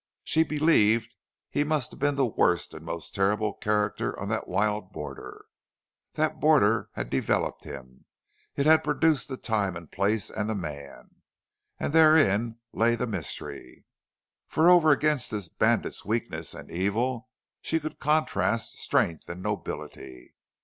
She believed he must have been the worst and most terrible character on that wild border. That border had developed him. It had produced the time and the place and the man. And therein lay the mystery. For over against this bandit's weakness and evil she could contrast strength and nobility.